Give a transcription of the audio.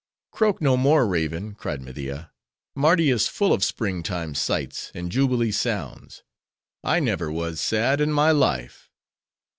"Croak no more, raven!" cried Media. "Mardi is full of spring time sights, and jubilee sounds. I never was sad in my life."